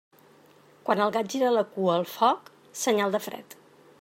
Quan el gat gira la cua al foc, senyal de fred.